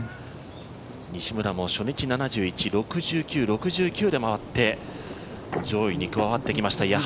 西村も初日７１、６９、６９で回って上位に加わってきました。